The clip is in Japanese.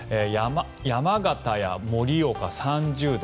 山形や盛岡、３０度。